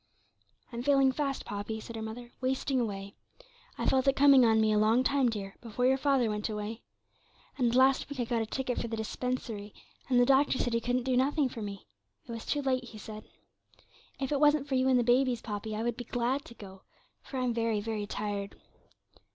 'I'm failing fast, Poppy,' said her mother; 'wasting away. I've felt it coming on me a long time, dear before your father went away. And last week I got a ticket for the dispensary, and the doctor said he couldn't do nothing for me; it was too late, he said. If it wasn't for you and the babies, Poppy, I would be glad to go, for I'm very, very tired.'